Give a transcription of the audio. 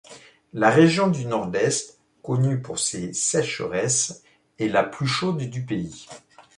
La région du Nordeste, connue pour ses sécheresses, est la plus chaude du pays.